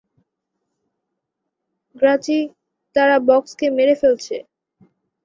গ্রাচি তারা বক্সকে মেরে ফেলছে।